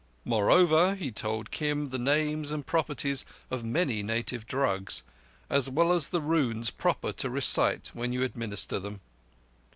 Moreover, he told Kim the names and properties of many native drugs, as well as the runes proper to recite when you administer them.